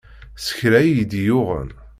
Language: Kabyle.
S kra i d iyi-yuɣen.